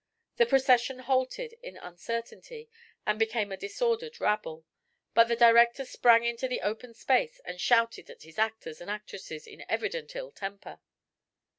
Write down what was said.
The procession halted in uncertainty and became a disordered rabble; but the director sprang into the open space and shouted at his actors and actresses in evident ill temper.